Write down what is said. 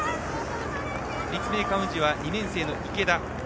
立命館宇治は２年生の池田。